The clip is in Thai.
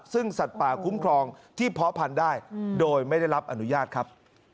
ซึ่งสัตว์ป่าคุ้มครองที่เพาะพันธุ์ได้โดยไม่ได้รับอนุญาตครับ